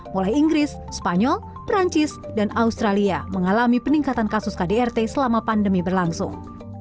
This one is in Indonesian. mulai inggris spanyol perancis dan australia mengalami peningkatan kasus kdrt selama pandemi berlangsung